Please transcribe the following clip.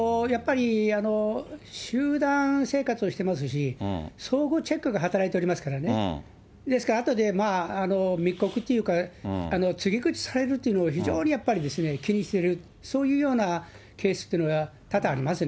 やっぱり集団生活をしてますし、相互チェックが働いておりますからね、ですから、あとで密告というか、告げ口されるっていうのを非常にやっぱりですね、気にする、そういうようなケースっていうのは多々ありますね。